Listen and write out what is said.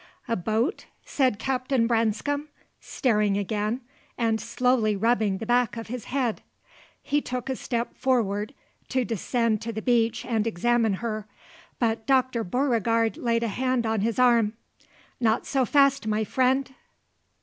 "A boat?" said Captain Branscome, staring again, and slowly rubbing the back of his head. He took a step forward, to descend to the beach and examine her, but Dr. Beauregard laid a hand on his arm. "Not so fast, my friend!